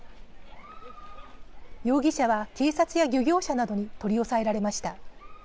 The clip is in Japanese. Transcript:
容疑者は警察や漁業者などに取り押さえられました。